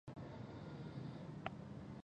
هغه مور ته ورغله او لاسونه یې ښکل کړل